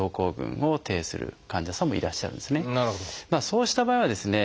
そうした場合はですね